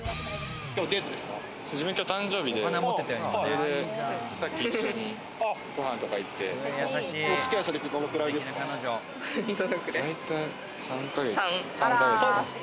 今日はデートですか？